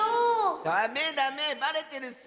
ダメダメバレてるッス！